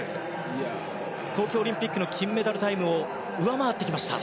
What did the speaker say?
東京オリンピックの金メダルタイムを上回ってきました。